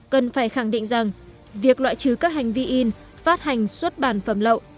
cần phải khẳng định rằng việc loại trừ các hành vi in phát hành xuất bản phẩm lậu